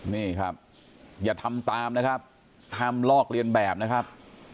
นี่ครับอย่าทำตามนะครับห้ามลอกเรียนแบบนะครับ